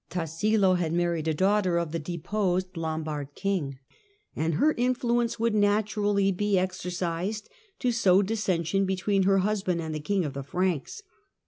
Tassilo had married a daughter of the deposed Lombard king, and her influence would naturally be exercised to sow dissension between her husband and the king of the Franks.